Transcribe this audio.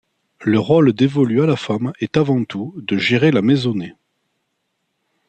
Le rôle dévolu à la femme est avant tout de gérer la maisonnée.